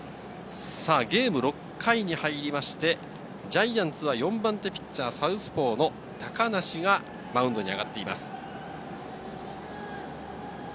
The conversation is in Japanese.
ゲームは６回に入りまして、ジャイアンツは４番手ピッチャー、サウスポーの高梨がマウンドに上がっています。